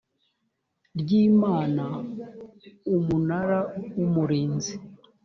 ry imana umunara w umurinzi